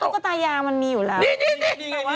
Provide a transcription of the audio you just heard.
ตุ๊กตายางมันมีอยู่แล้วกัน